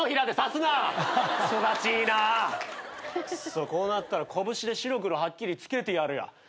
クソこうなったら拳で白黒はっきりつけてやるよ。